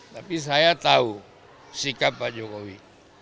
tapi saya tahu sikap pak jokowi